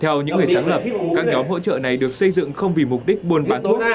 theo những người sáng lập các nhóm hỗ trợ này được xây dựng không vì mục đích buôn bán thuốc